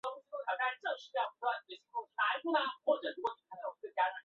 花期为春夏季。